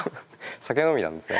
酒飲みなんですね？